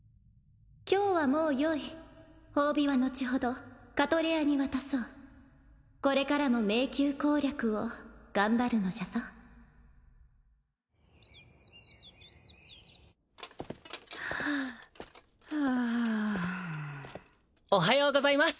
今日はもうよい褒美は後ほどカトレアに渡そうこれからも迷宮攻略を頑張るのじゃぞおはようございます